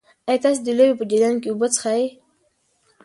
ایا تاسي د لوبې په جریان کې اوبه څښئ؟